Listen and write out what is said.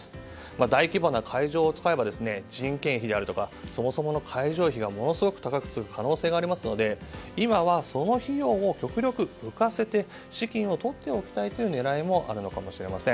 大規模な会場を使えば人件費やそもそもの会場費がものすごく高くつく可能性がありますので今は、その費用を極力浮かせて資金をとっておきたいという狙いもあるのかもしれません。